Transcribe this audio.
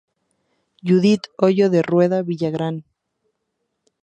Judith Hoyo de Rueda Villagrán.